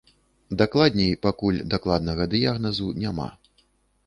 Дакладней, пакуль дакладнага дыягназу няма.